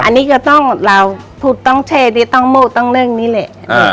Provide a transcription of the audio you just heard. อันนี้ก็ต้องเราพูดต้องเช่นต้องมุกต้องเร่งนี้เลย